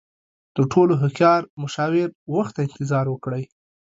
تر ټولو هوښیار مشاور، وخت ته انتظار وکړئ.